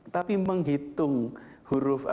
tapi menghitung huruf